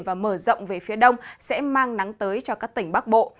và mở rộng về phía đông sẽ mang nắng tới cho các tỉnh bắc bộ